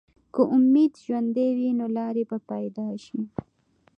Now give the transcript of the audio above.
که امید ژوندی وي، نو لارې به پیدا شي.